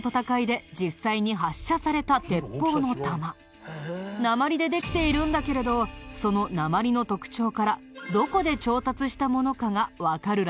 これは鉛でできているんだけれどその鉛の特徴からどこで調達したものかがわかるらしいよ。